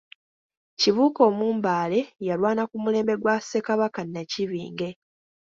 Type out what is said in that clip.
Kibuuka Omumbaale yalwaana ku mulembe gwa Ssekabaka Nnakibinge.